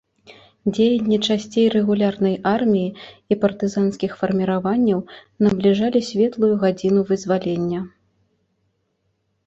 Дзеянні часцей рэгулярнай арміі і партызанскіх фарміраванняў набліжалі светлую гадзіну вызвалення.